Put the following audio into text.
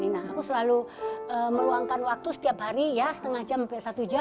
nah aku selalu meluangkan waktu setiap hari ya setengah jam sampai satu jam